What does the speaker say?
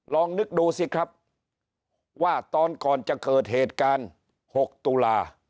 ลองนึกดูสิครับว่าตอนก่อนจะเกิดเหตุการณ์๖ตุลา